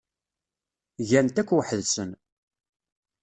Gan-t akk weḥd-sen.